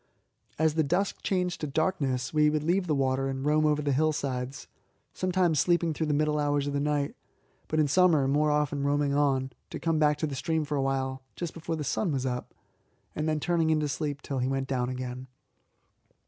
As the dusk changed to darkness we would leave the water and roam over the hillsides, sometimes sleeping through the middle hours of the night, but in summer more often roaming on, to come back to the stream for a while just before the sun was up, and then turning in to sleep till he went down again.